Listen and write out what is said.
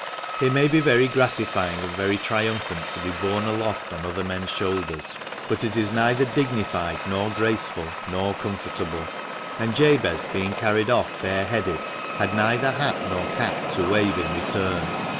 It may be very gratifying and very triumphant to be borne aloft on other men's shoulders, but it is neither dignified, nor graceful, nor comfortable ; and Jabez, being carried off bare headed, had neither hat nor cap to wave in return.